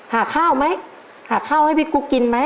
หาข้าวไหมหาข้าวให้พี่กุ๊กกินไหม